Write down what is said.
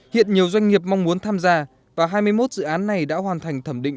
hiện nhiều doanh nghiệp mong muốn tham gia và hai mươi một dự án này đã hoàn thành thẩm định